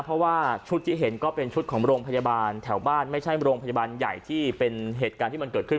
เพราะว่าชุดที่เห็นก็เป็นชุดของโรงพยาบาลแถวบ้านไม่ใช่โรงพยาบาลใหญ่ที่เป็นเหตุการณ์ที่มันเกิดขึ้น